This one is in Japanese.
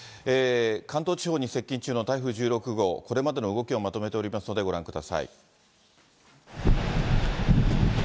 関東地方に接近中の台風１６号、これまでの動きをまとめておりますのでご覧ください。